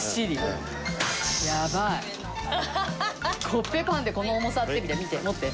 コッペパンでこの重さって見て。